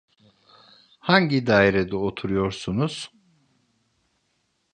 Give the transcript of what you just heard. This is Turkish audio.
Hangi dairede oturuyorsunuz!